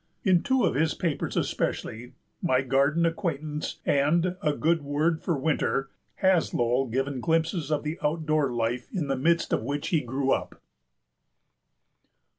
In two of his papers especially, My Garden Acquaintance and A Good Word for Winter, has Lowell given glimpses of the out door life in the midst of which he grew up.